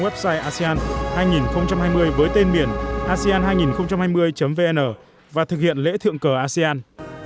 website asean hai nghìn hai mươi với tên miền asean hai nghìn hai mươi vn và thực hiện lễ thượng cờ asean